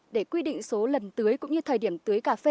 để quy định số lần tưới cũng như thời điểm tưới cà phê